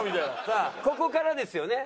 さあここからですよね。